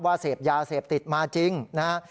เสพยาเสพติดมาจริงนะฮะ